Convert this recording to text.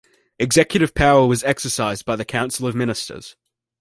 Executive power was exercised by the Council of Ministers.